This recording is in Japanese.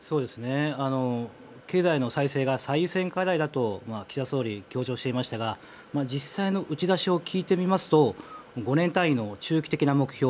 経済の再生が最優先課題だと岸田総理、強調していましたが実際の打ち出しを聞いてみますと５年単位の中期的な目標